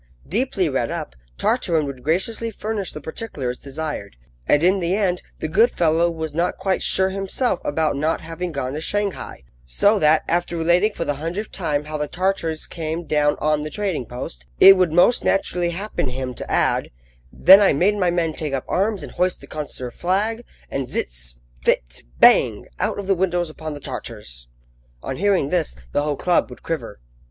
Deeply read up, Tartarin would graciously furnish the particulars desired, and, in the end, the good fellow was not quite sure himself about not having gone to Shanghai, so that, after relating for the hundredth time how the Tartars came down on the trading post, it would most naturally happen him to add: "Then I made my men take up arms and hoist the consular flag, and zizz! phit! bang! out of the windows upon the Tartars." On hearing this, the whole club would quiver.